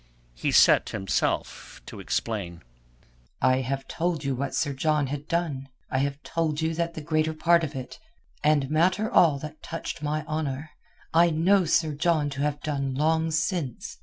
He set himself to explain. "I have told you what Sir John had done. I have told you that the greater part of it—and matter all that touched my honour—I know Sir John to have done long since.